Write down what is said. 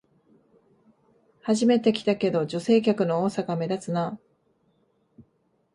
初めて来たけど、女性客の多さが目立つな